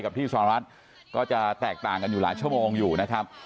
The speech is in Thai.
ที่สหรัฐก็จะแตกต่างกันอยู่หลายชั่วโมงอยู่นะครับ